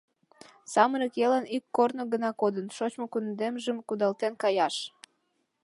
Самырык еҥлан ик корно гына кодын — шочмо кундемжым кудалтен каяш.